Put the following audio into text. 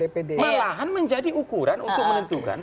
lahan menjadi ukuran untuk menentukan